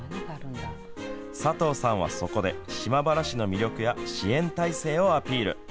佐藤さんはそこで島原市の魅力や支援体制をアピール。